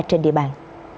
trên địa bàn